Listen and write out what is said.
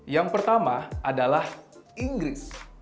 yang pertama adalah inggris